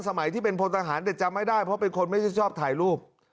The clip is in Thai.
สมัยที่เป็นพลทหารแต่จำไม่ได้เพราะเป็นคนไม่ได้ชอบถ่ายรูป